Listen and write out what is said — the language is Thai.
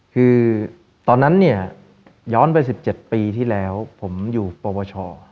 คือตอนนั้นเนี่ยย้อนไป๑๗ปีที่แล้วผมอยู่ปวช